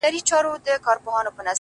• مشر زوى چي يې په عمر زر كلن وو ,